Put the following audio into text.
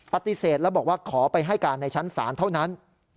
ปฏิเสธแล้วบอกว่าขอไปให้การในชั้นศาลเท่านั้น